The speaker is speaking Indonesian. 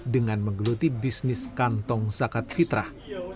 dengan menggeluti bisnis kantong zakat fitrah